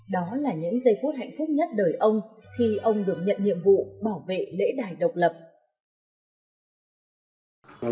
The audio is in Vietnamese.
đó là những giây phút hạnh phúc nhất đời ông khi ông được nhận nhiệm vụ bảo vệ lễ đài độc lập